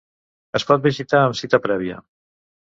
Es pot visitar amb cita prèvia.